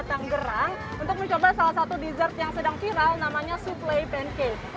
saya ingin berniat untuk mencoba sedang viral namanya souffle pancake